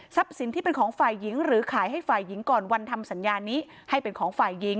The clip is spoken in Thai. สินที่เป็นของฝ่ายหญิงหรือขายให้ฝ่ายหญิงก่อนวันทำสัญญานี้ให้เป็นของฝ่ายหญิง